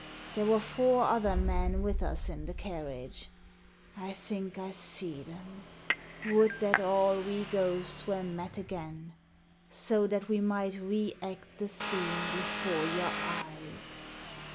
There were four other men with us in the carriage. I think I see them. Would that all we ghosts were met again, so that we might react the scene before your eyes